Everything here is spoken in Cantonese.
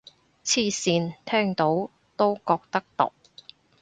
黐線，聽到都覺得毒